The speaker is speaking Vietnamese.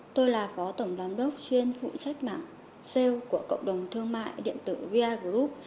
tôi là phó tổng đoàn đốc chuyên phụ trách mạng sale của cộng đồng thương mại điện tử via group